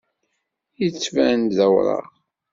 Yettban-d d awraɣ.